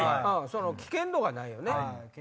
危険度がないよね。